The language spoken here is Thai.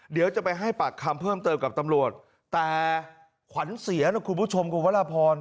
เดี๋ยวจะไปให้ปากคำเพิ่มเติมกับตำรวจแต่ขวัญเสียนะคุณผู้ชมคุณวรพร